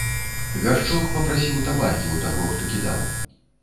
Гаршчок папрасіў табакі ў таго, хто кідаў.